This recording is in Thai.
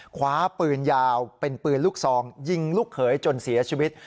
คว้าปืนยาวเป็นปืนลูกซองยิงลูกเขยจนเสียชีวิต